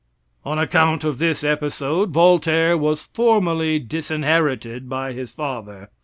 On account of this episode Voltaire was formally disinherited by his father.